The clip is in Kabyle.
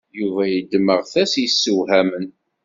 Yuba yeddem aɣtas yeszewhamen.